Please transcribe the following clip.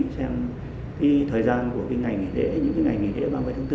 xem cái thời gian của cái ngày nghỉ lễ những cái ngày nghỉ lễ ba mươi tháng bốn